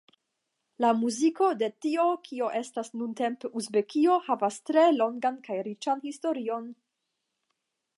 La muziko de tio kio estas nuntempe Uzbekio havas tre longan kaj riĉan historion.